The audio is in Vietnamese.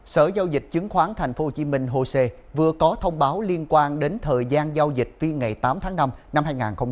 sở giao dịch chứng khoán tp hcm hosea vừa có thông báo liên quan đến thời gian giao dịch phiên ngày tám tháng năm năm hai nghìn hai mươi bốn